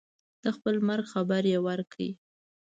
د خپل مرګ خبر یې ورکړی.